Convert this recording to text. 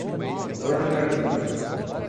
Dor na garganta